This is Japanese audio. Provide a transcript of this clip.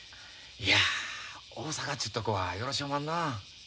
いや大阪ちゅうとこはよろしおまんな。